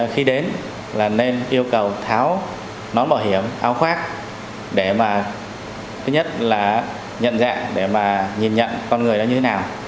khi đến nên yêu cầu tháo nón bảo hiểm áo khoác để nhận dạng nhìn nhận con người như thế nào